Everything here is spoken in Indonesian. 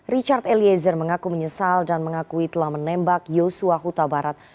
richard eliezer mengaku menyesal dan mengakui telah menembak yosua huta barat